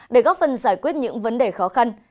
để góp phần giải quyết những vấn đề khó khăn